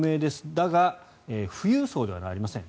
だが、富裕層ではありません。